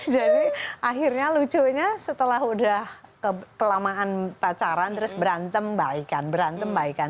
jadi akhirnya lucunya setelah udah kelamaan pacaran terus berantem baikan berantem baikan